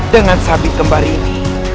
dengan sabit kembar ini